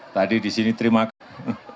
tadi disini terima kasih